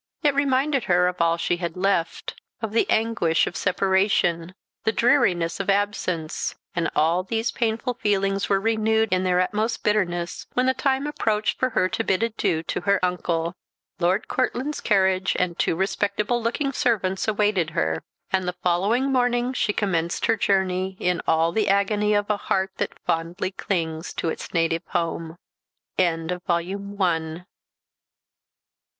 It reminded her of all she had left of the anguish of separation the dreariness of absence; and all these painful feelings were renewed in their utmost bitterness when the time approached for her to bid adieu to her uncle. Lord Courtland's carriage and two respectable looking servants awaited her; and the following morning she commenced her journey in all the agony of a heart that fondly clings to its native home. END OF VOL. I. _Printed _by R.